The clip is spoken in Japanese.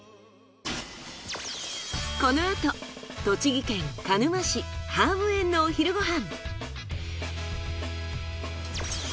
このあと栃木県鹿沼市ハーブ園のお昼ご飯。